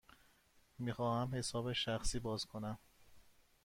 می خواهم حساب شخصی باز کنم.